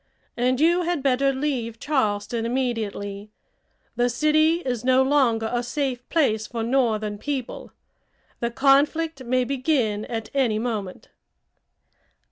And you had better leave Charleston immediately. The city is no longer a safe place for northern people. The conflict may begin at any moment."